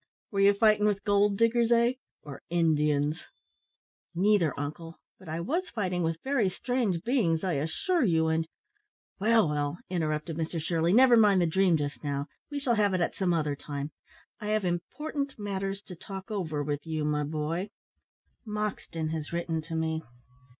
Were you fighting with gold diggers, eh! or Indians?" "Neither, uncle; but I was fighting with very strange beings, I assure you, and " "Well, well," interrupted Mr Shirley, "never mind the dream just now; we shall have it at some other time. I have important matters to talk over with you, my boy. Morton has written to me.